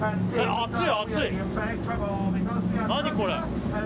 熱い！